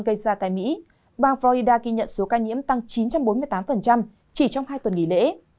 gây ra tại mỹ bang florida ghi nhận số ca nhiễm tăng chín trăm bốn mươi tám chỉ trong hai tuần nghỉ lễ